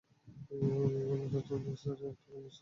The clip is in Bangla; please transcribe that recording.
ওগুলো ওজোন স্তরের একটা ফাটলের সৃষ্টি করেছে।